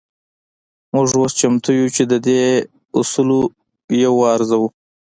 موږ اوس چمتو يو چې د دې اصولو يو وارزوو.